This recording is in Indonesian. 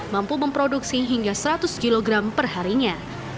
mampu memproduksi hingga seratus kg perharinya